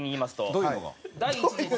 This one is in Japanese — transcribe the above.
「どういうの？」。